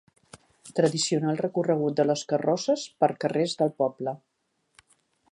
Tradicional recorregut de les carrosses per carrers del poble.